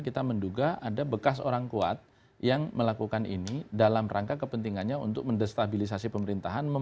kita menduga ada bekas orang kuat yang melakukan ini dalam rangka kepentingannya untuk mendestabilisasi pemerintahan